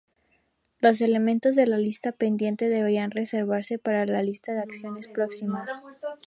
Los elementos de la lista 'Pendiente' deberían reservarse para la lista de acciones próximas.